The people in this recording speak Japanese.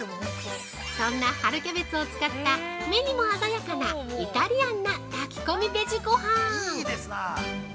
そんな春キャベツを使った目にも鮮やかなイタリアンな炊き込みベジごはん。